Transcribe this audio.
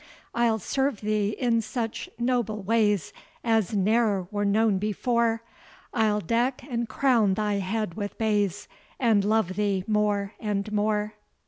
I'll serve thee in such noble ways As ne'er were known before; I'll deck and crown thy head with bays, And love thee more and more.